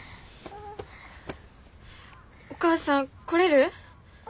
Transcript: お母さん来れる？